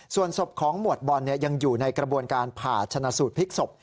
ส่วนศพของหมวดบอลยังอยู่ในกระบวนการผ่าชนะสูตรพลิกศพ